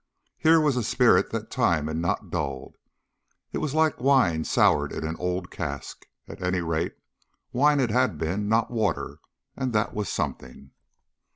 Here was a spirit that time had not dulled it was like wine soured in an old cask. At any rate, wine it had been, not water, and that was something.